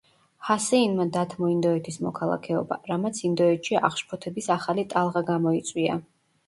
ჰასეინმა დათმო ინდოეთის მოქალაქეობა, რამაც ინდოეთში აღშფოთების ახალი ტალღა გამოიწვია.